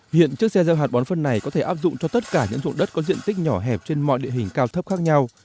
hiện chiếc xe gieo hạt bón phân này có thể áp dụng cho tất cả những dụng đất có diện tích nhỏ hẹp trên mọi địa hình cao thấp khác nhau